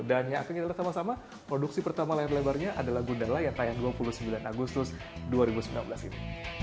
dan yang akan kita lihat sama sama produksi pertama layar lebarnya adalah gundala yang tayang dua puluh sembilan agustus dua ribu sembilan belas ini